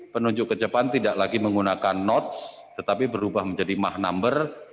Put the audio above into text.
penunjuk ke depan tidak lagi menggunakan notes tetapi berubah menjadi mah number